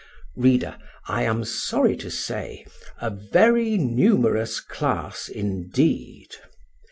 Reader, I am sorry to say a very numerous class indeed.